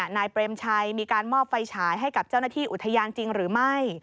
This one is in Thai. นายเปรมชัยมีการมอบไฟฉายให้กับเจ้าหน้าที่อุทยานจริงหรือไม่